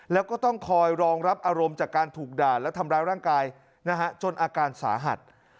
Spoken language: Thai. แล้วก็ต้องคอยรองรับอารมณ์จากการถูกด่าและทำร้ายร่างกายนะฮะจนอาการสาหัส